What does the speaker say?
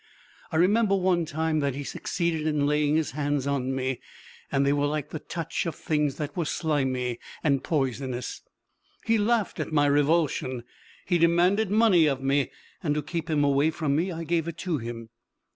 I remember, one time, that he succeeded in laying his hands on me, and they were like the touch of things that were slimy and poisonous. He laughed at my revulsion. He demanded money of me, and to keep him away from me I gave it to him.